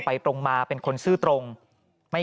ปี๖๕วันเช่นเดียวกัน